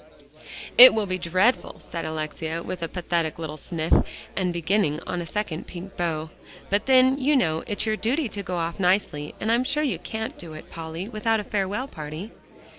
"It will be dreadful," said Alexia, with a pathetic little sniff, and beginning on a second pink bow, "but then, you know, it's your duty to go off nicely, and I'm sure you can't do it, Polly, without a farewell party."